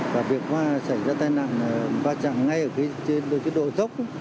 và việc xảy ra tai nạn là va chạm ngay ở cái độ dốc